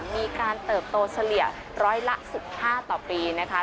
มีการเติบโตเฉลี่ยร้อยละ๑๕ต่อปีนะคะ